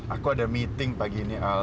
aku ada meeting pagi ini al